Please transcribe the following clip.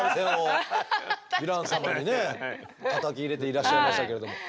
ヴィラン様にねたたき入れていらっしゃいましたけれども。